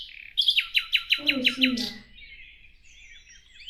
Ur usimeɣ.